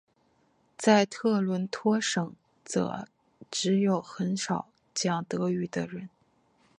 在特伦托省则只有很少讲德语的人。